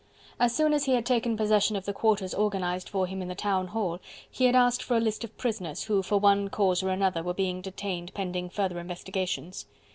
As soon as he had taken possession of the quarters organized for him in the Town Hall, he had asked for a list of prisoners who for one cause or another were being detained pending further investigations.